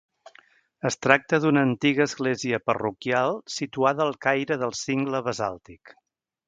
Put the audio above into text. Es tracta d'una antiga església parroquial situada al caire del cingle basàltic.